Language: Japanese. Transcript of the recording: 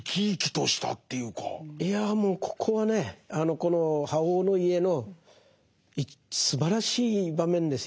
いやもうここはねこの「覇王の家」のすばらしい場面ですよ。